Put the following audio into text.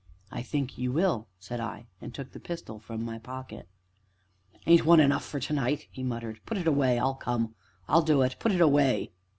"I think you will," said I, and took the pistol from my pocket. "Ain't one enough for to night?" he muttered; "put it away I'll come I'll do it put it away."